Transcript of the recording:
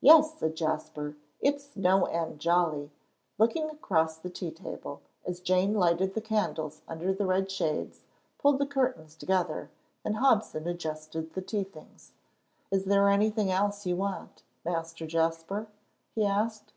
"Yes," said Jasper, "it's no end jolly!" looking across the tea table, as Jane lighted the candles under the red shades, pulled the curtains together, and Hobson adjusted the tea things. "Is there anything else you want, Master Jasper?" he asked.